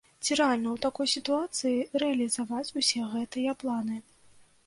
Ці рэальна ў такой сітуацыі рэалізаваць усе гэтыя планы?